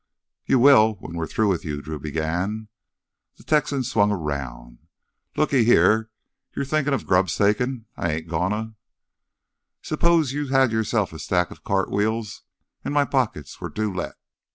"You will when we're through with you," Drew began. The Texan swung around. "Looky here, you thinkin' of grub stakin'? I ain't gonna—" "Suppose you had yourself a stack of cart wheels and my pockets were to let?"